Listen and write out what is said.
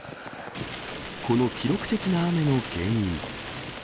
この記録的な雨の原因。